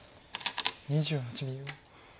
２８秒。